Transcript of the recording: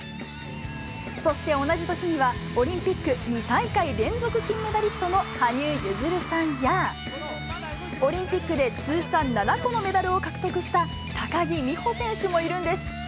そして同じ年には、オリンピック２大会連続金メダリストの羽生結弦さんや、オリンピックで通算７個のメダルを獲得した高木美帆選手もいるんです。